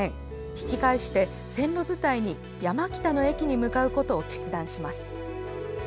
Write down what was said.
引き返して、線路伝いに山北の駅に向かうことを決断します。